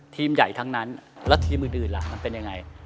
ทีมใหญ่ทั้งนั้นแล้วทีมอื่นล่ะมันเป็นยังไง